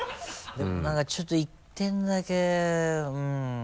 でも何かちょっと１点だけうん。